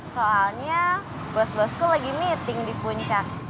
soalnya bos bosku lagi meeting di puncak